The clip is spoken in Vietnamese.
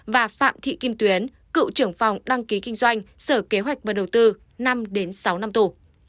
và phạm thị kim tuyến cựu trưởng phòng đăng ký kinh doanh sở kế hoạch và đầu tư năm sáu năm tù